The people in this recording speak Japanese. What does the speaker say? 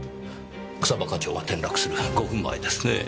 草葉課長が転落する５分前ですねぇ。